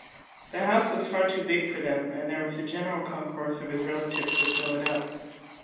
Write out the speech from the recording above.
The house was far too big for them, and there was a general concourse of his relatives to fill it up.